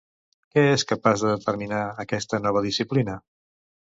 Què és capaç de determinar, aquesta nova disciplina?